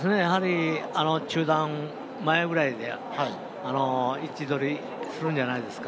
中団前ぐらいで位置取りするんじゃないですか。